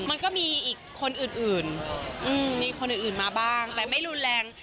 มันก็มีคนอื่นมาบ้างแต่ไม่รุนแรง